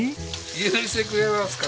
許してくれますか？